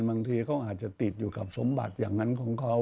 บางทีเขาอาจจะติดอยู่กับสมบัติอย่างนั้นของเขา